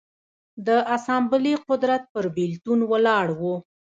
د اسامبلې قدرت پر بېلتون ولاړ و